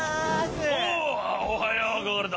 おおはようゴールド。